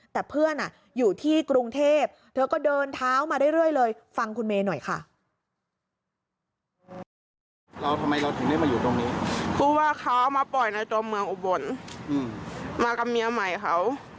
แต่เพื่อนอยู่ที่กรุงเทพเธอก็เดินเท้ามาเรื่อยเลยฟังคุณเมย์หน่อยค่ะ